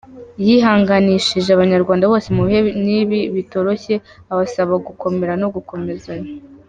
Yihanganishije abanyarwanda bose mu bihe nk’ibi bitoroshye abasaba gukomera no gukomezanya.